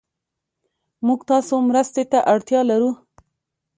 موږ تاسو مرستې ته اړتيا لرو